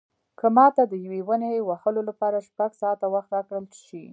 که ماته د یوې ونې وهلو لپاره شپږ ساعته وخت راکړل شي.